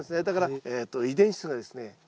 だからえっと遺伝質がですね